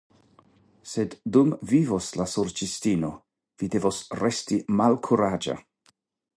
Sed dum vivos la Sorĉistino vi devos resti malkuraĝa.